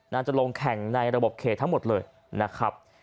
จะลงแข่งในระบบเขตทั้งหมดเลยนะครับ